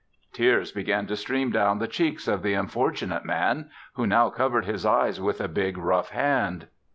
Tears began to stream down the cheeks of the unfortunate man, who now covered his eyes with a big, rough hand.